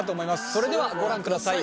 それではご覧ください。